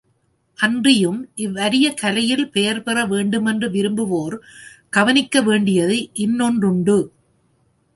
அன்றியும் இவ்வரிய கலையில் பெயர் பெற வேண்டுமென்று விரும்புவோர் கவனிக்கவேண்டியது இன்னொன்றுண்டு.